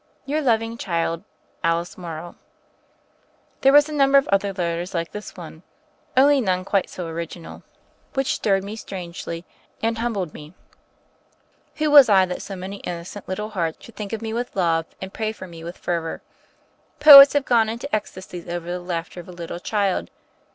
"Your loving child, "Alice Morrow." There was a number of other letters like this —only none quite so original — which stirred me 74 THE FAIRY OF THE SNOWS strangely — and humbled me. Who was I that so many innocent little hearts should think of me with love and pray for me with fervor. Poets have gone into ecstasies over the laughter of a little child.